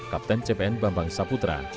kapten cpn bambang saputra